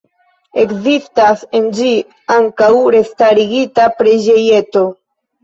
Ekzistas en ĝi ankaŭ restarigita preĝejeto.